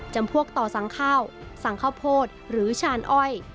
พวกต่อสั่งข้าวสั่งข้าวโพดหรือชานอ้อย